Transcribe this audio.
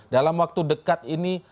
dalam waktu dekat ini